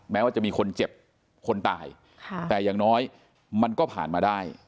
แม้ว่าจะมีคนเจ็บคนตายแต่อย่างน้อยมันก็ผ่านมาได้